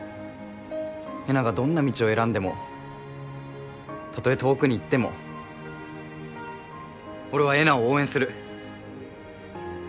えながどんな道を選んでもたとえ遠くに行っても俺はえなを応援する。